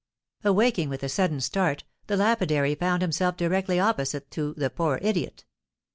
Awaking with a sudden start, the lapidary found himself directly opposite to the poor idiot.